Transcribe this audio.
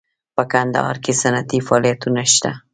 په کندهار کې صنعتي فعالیتونه شته